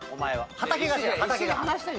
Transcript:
畑が。